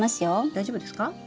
大丈夫ですか？